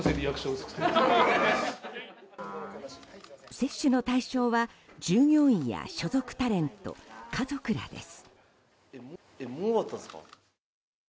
接種の対象は従業員や所属タレント、家族らです。